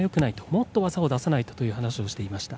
もっと技を出さないとと話していました。